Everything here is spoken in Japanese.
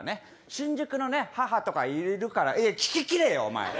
新宿の母とかいるから聞き切れよ。